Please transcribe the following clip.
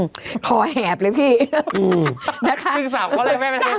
อืมขอแหบเลยนะครับ